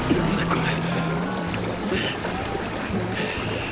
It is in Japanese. これ。